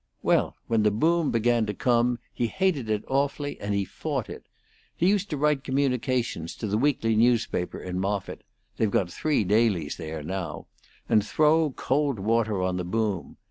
Well, when the boom began to come he hated it awfully, and he fought it. He used to write communications to the weekly newspaper in Moffitt they've got three dailies there now and throw cold water on the boom.